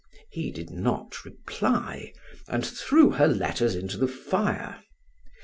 He did not reply and threw her letters into the fire.